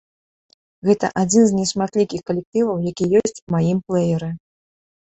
Гэта адзін з нешматлікіх калектываў, які ёсць у маім плэеры.